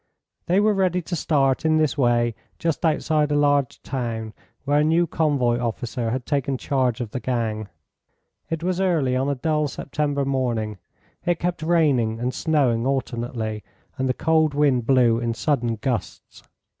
They were ready to start in this way just outside a large town, where a new convoy officer had taken charge of the gang. It was early on a dull September morning. It kept raining and snowing alternately, and the cold wind blew in sudden gusts.